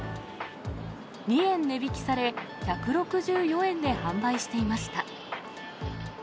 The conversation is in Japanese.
２円値引きされ、１６４円で販売していました。